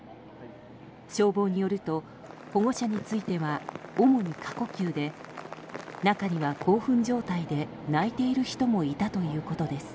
消防によると保護者については主に過呼吸で中には興奮状態で泣いている人もいたということです。